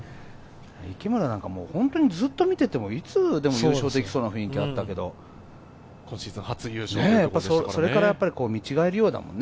池村なんか本当にずっと見てても、いつでも優勝できそうな雰囲気あったけど、それから見違えるようだもんね。